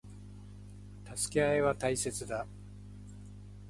助け合いは大切だ。